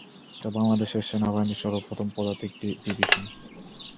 এটা বাংলাদেশ সেনাবাহিনীর সর্বপ্রথম পদাতিক ডিভিশন।